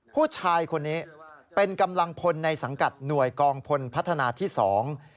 ผู้ชายคนนี้เป็นกำลังพลในสังกัดหน่วยกองพลพัฒนาที่สอง